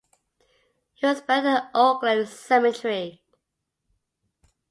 He was buried at Oakland Cemetery.